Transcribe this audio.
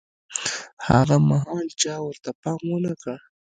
هاغه مهال چا ورته پام ونه کړ.